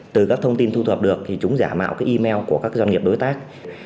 từ các thông tin thu thập được chúng giả mạo email của các doanh nghiệp đối tác